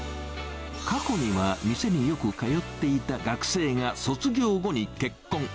過去には店によく通っていた学生が卒業後に結婚。